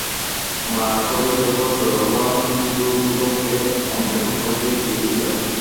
মা সৈকতের উপর জড়ো হওয়া সিন্ধুঘোটকদের অন্বেষণ করতে গিয়েছিল।